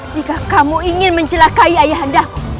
jika kamu ingin mencelakai ayah anda